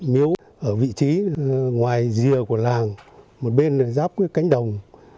miếu ở vị trí ngoài rìa của làng một bên là ráp với cánh đồng